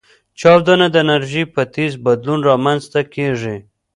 چاودنه د انرژۍ په تیز بدلون رامنځته کېږي.